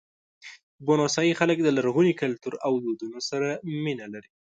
بوسنیایي خلک د لرغوني کلتور او دودونو سره مینه لري.